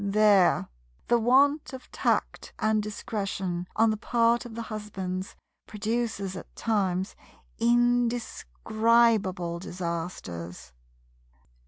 There the want of tact and discretion on the part of the husbands produces at times indescribable disasters.